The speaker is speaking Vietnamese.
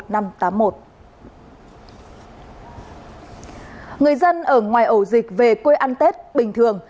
người dân ở ngoài ổ dịch về quê ăn tết bình thường